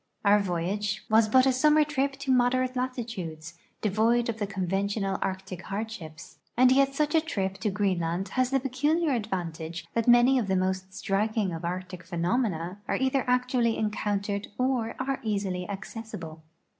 Our voyage was but a summer trip to moderate latitudes, de void of the conventional Arctic har(lshii)s; and yet such a trip to Greenland has the peculiar advantage tliat many of the most striking of Arctic phenomena are either actually encountered or are easily accessible.